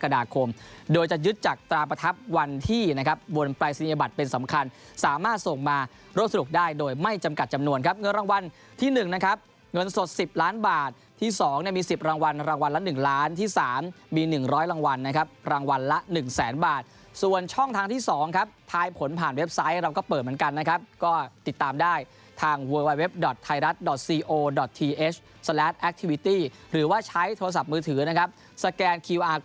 ๙นาคมโดยจะยึดจากตราประทับวันที่นะครับวนปริศนียบัตรเป็นสำคัญสามารถส่งมารถสรุกได้โดยไม่จำกัดจำนวนครับเงินรางวัลที่๑นะครับเงินสด๑๐ล้านบาทที่๒มี๑๐รางวัลรางวัลละ๑ล้านที่๓มี๑๐๐รางวัลนะครับรางวัลละ๑แสนบาทส่วนช่องทางที่๒ครับทายผลผ่านเว็บไซต์เราก็เปิดเหมือนกัน